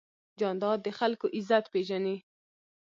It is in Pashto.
جانداد د خلکو عزت پېژني.